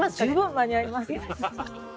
間に合います。